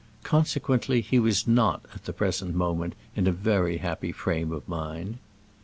Consequently he was not, at the present moment, in a very happy frame of mind.